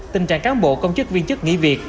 tình trạng cán bộ công chức viên chức nghỉ việc